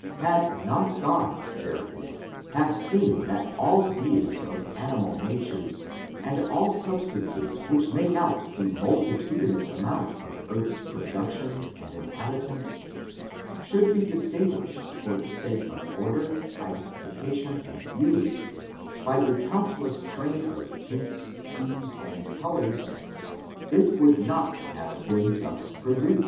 Had not God, therefore, have seen that all beings of animal natures, and all sub stances which make out the multitudinous amount of earth's productions and inhabitants, should be dis tinguished for the sake of order, identification, and beauty, by a countless train of tints, hues, and colors^ it would not have been thus produced.